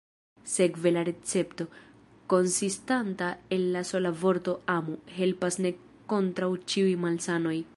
Sekve la recepto, konsistanta el la sola vorto “amu”, helpas ne kontraŭ ĉiuj malsanoj.